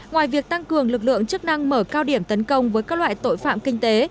ngoài việc tăng cường lực lượng chức năng mở cao điểm tấn công với các loại tội phạm kinh tế